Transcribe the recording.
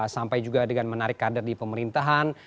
sampai juga dengan menarik kader di pemerintahan